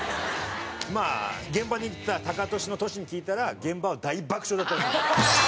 まあ現場にいたタカトシのトシに聞いたら現場は大爆笑だったらしい。